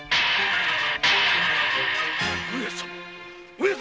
上様？